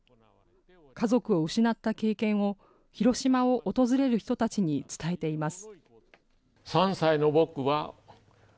家族を失った経験を広島を訪れる人たちに伝えています。